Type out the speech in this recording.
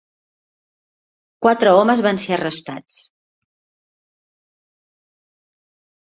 Quatre homes van ser arrestats.